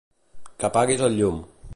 Que apaguis el llum.